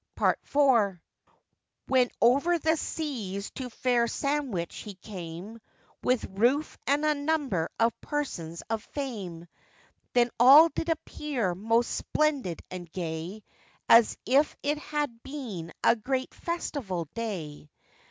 PART IV. When over the seas to fair Sandwich he came, With Ruth, and a number of persons of fame, Then all did appear most splendid and gay, As if it had been a great festival day.